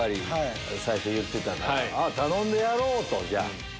最初言ってたから頼んでやろう！とじゃあ。